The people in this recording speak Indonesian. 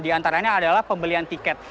diantaranya adalah pembelian tiket